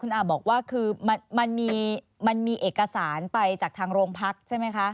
คุณอาจบอกว่ามันมีเอกสารไปจากทางโรงพักษณ์ใช่ไหมคะ